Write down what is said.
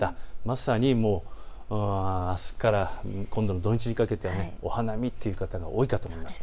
まさにあすから今度の土日にかけてお花見という方が多いかと思います。